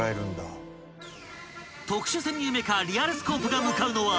［特殊潜入メカリアルスコープが向かうのは］